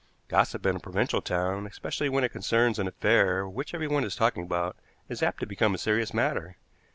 Gossip in a provincial town, especially when it concerns an affair which everyone is talking about, is apt to become a serious matter.